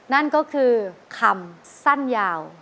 นั่นก็คือคำสั้นยาว